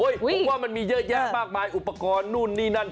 ผมว่ามันมีเยอะแยะมากมายอุปกรณ์นู่นนี่นั่น